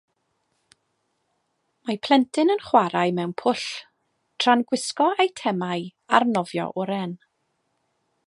Mae plentyn yn chwarae mewn pwll tra'n gwisgo eitemau arnofio oren.